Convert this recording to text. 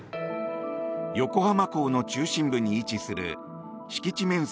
横浜港の中心部に位置する敷地面積